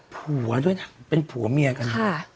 ผัวด้วยนะเป็นผัวเมียกัน